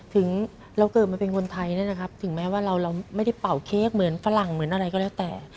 ถึงเราเกิดมาเป็นคนไทยเนี่ยนะครับถึงแม้ว่าเราไม่ได้เป่าเค้กเหมือนฝรั่งเหมือนอะไรก็แล้วแต่